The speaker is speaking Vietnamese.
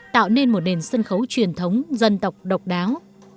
tạo nên một nền sân khấu truyền thống dân tộc độc đáo